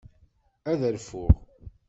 Ad rfuɣ.